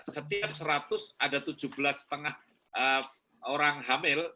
setiap seratus ada tujuh belas lima orang hamil